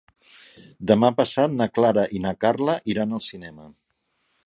Demà passat na Clara i na Carla iran al cinema.